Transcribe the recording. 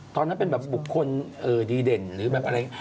ตอนนั้นเป็นแบบบุคคลดีเด่นหรือแบบอะไรอย่างนี้